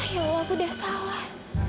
ya allah tuh udah salah